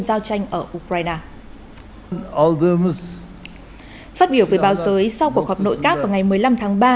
giao tranh ở ukraine phát biểu với báo giới sau cuộc họp nội các vào ngày một mươi năm tháng ba